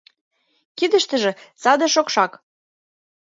Кидыштыже саде шокшак.